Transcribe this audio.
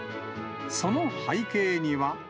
その背景には。